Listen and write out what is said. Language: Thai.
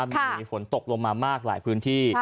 มีฝนตกลงมามากหลายพื้นที่